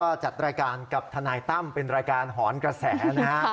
ก็จัดรายการกับทนายตั้มเป็นรายการหอนกระแสนะฮะ